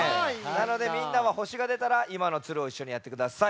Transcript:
なのでみんなはほしがでたらいまのツルをいっしょにやってください。